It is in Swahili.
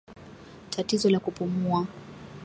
Tatizo la kupumua